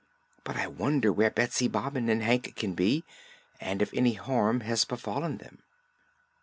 "But I wonder where Betsy Bobbin and Hank can be, and if any harm has befallen them."